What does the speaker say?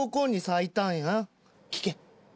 聞け！